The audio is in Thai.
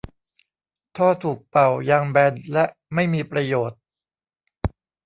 ท่อถูกเป่า ยางแบน และไม่มีประโยชน์